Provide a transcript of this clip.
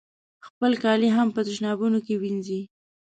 خپل کالي هم په تشنابونو کې وینځي.